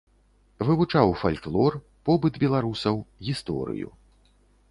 Вывучаў фальклор, побыт беларусаў, гісторыю.